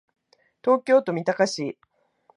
東京都三鷹市